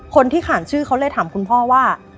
คนที่ขานชื่อเขาเลยถามคุณพ่อว่า